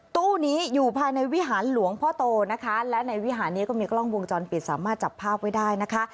ตู้นี้อยู่ภายในวิหารหลวงพ่อโตนะคะและในวิหารนี้ก็มีกล้องวงจรปิดสามารถจับภาพไว้ได้นะคะ